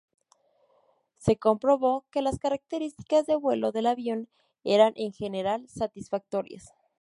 Se comprobó que las características de vuelo del avión eran, en general, satisfactorias.